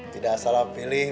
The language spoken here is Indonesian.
tidak salah pilih